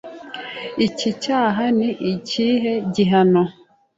Iki cyaha ni ikihe gihano?